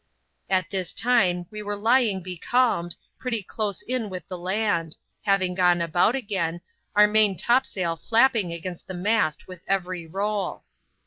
At this time we were lying becalmed, pretty close in with the land (having gone about again), our main top sail flapping against the mast with every roll.